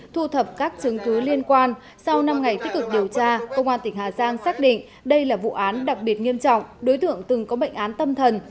thu thập các chứng cứ liên quan sau năm ngày tích cực điều tra công an tỉnh hà giang xác định đây là vụ án đặc biệt nghiêm trọng đối tượng từng có bệnh án tâm thần